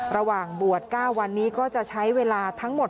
ระหว่างบวช๙วันนี้ก็จะใช้เวลาทั้งหมด